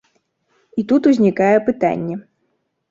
І тут узнікае пытанне.